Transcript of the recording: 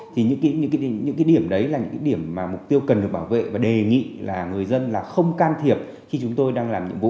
thì những điểm đấy là những điểm mục tiêu cần được bảo vệ và đề nghị là người dân không can thiệp khi chúng tôi đang làm nhiệm vụ